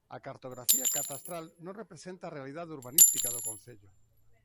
A cartografía catastral non representa a realidade urbanística do concello.